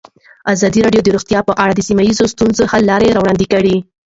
ازادي راډیو د روغتیا په اړه د سیمه ییزو ستونزو حل لارې راوړاندې کړې.